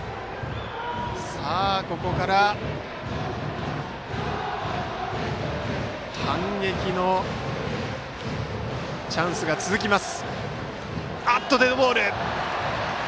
ここから反撃のチャンスが続きます。